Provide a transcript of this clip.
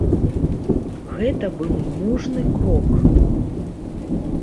Гэта быў мужны крок.